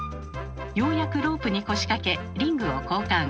ようやくロープに腰掛けリングを交換。